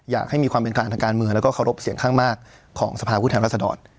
อยากให้มีความเป็นกลางทางการเมืองแล้วก็เคารพเสียงข้างมากของสภาพผู้แทนรัศดร